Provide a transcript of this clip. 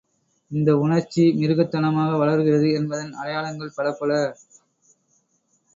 இந்த உணர்ச்சி மிருகத்தனமாக வளர்கிறது என்பதன் அடையாளங்கள் பலப்பல.